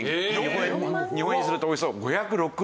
日本円にするとおよそ５６０万円の罰金。